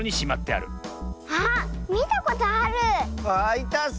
あいたッス！